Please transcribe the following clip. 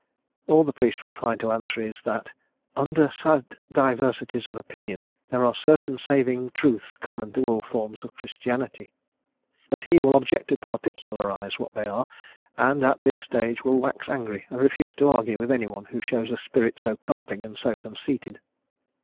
All the priest will find to answer is, that "under sad diversities of opinion there are certain saving truths common to all forms of Christianity," but he will object to particularise what they are, and at this stage will wax angry and refuse to argue with anyone who shows a spirit so carping and so conceited.